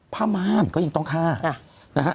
ม่านก็ยังต้องฆ่านะฮะ